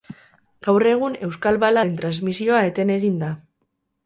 Gaur egun euskal baladen transmisioa eten egin da.